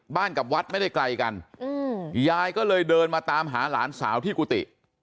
กับวัดไม่ได้ไกลกันยายก็เลยเดินมาตามหาหลานสาวที่กุฏิ